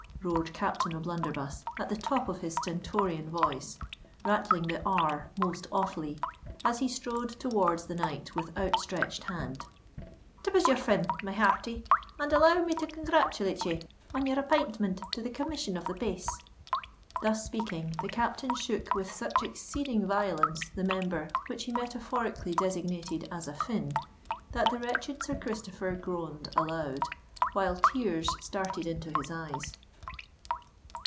roared Captain O'Blunderbuss, at the top of his stentorian voice, rattling the r most awfully, as he strode towards the knight with outstretched hand: "tip us your fin, my hearty—and allow me to congratulate ye on your appintment to the Commission of the Pace!" Thus speaking, the captain shook with such exceeding violence the member which he metaphorically designated as a fin, that the wretched Sir Christopher groaned aloud, while tears started into his eyes.